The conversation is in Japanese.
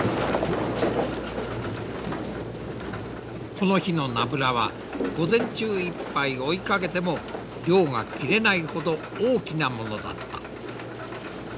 この日のナブラは午前中いっぱい追いかけても漁が切れないほど大きなものだった。